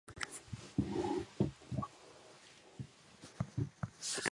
もう少し、ここにいてもいいか